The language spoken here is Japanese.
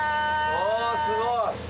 おおすごい！